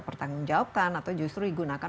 bertanggung jawabkan atau justru digunakan